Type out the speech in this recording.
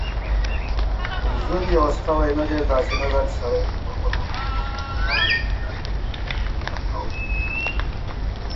The air force currently takes part in the War in Donbass.